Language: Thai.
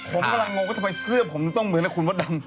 ผมกำลังงงว่าทำไมเสื้อผมจะต้องเหมือนคุณมดดำ